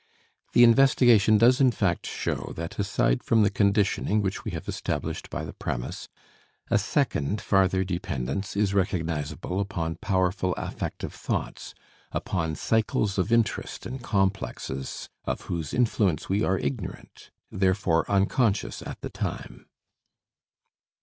The investigation does in fact show that aside from the conditioning which we have established by the premise, a second farther dependence is recognizable upon powerful affective thoughts, upon cycles of interest and complexes of whose influence we are ignorant, therefore unconscious at the time.